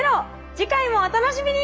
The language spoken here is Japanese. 次回もお楽しみに！